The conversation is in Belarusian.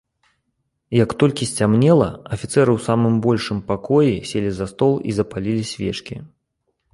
Як толькі сцямнела, афіцэры ў самым большым пакоі селі за стол і запалілі свечкі.